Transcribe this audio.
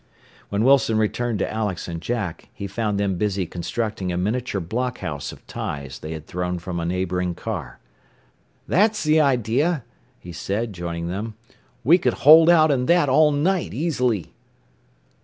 When Wilson returned to Alex and Jack he found them busy constructing a miniature block house of ties they had thrown from a neighboring car. "That's the idea," he said, joining them. "We could hold out in that all night, easily."